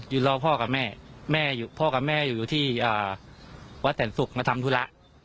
รอพ่อกับแม่แม่พ่อกับแม่อยู่ที่วัดแต่นศุกร์มาทำธุระ